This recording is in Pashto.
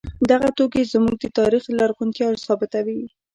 دغه توکي زموږ د تاریخ لرغونتیا ثابتوي.